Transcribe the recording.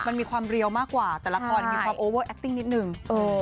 มันมีความเรียวมากกว่าแต่ละครมีความโอเวอร์แอคติ้งนิดนึง